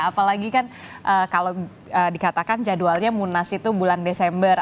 apalagi kan kalau dikatakan jadwalnya munas itu bulan desember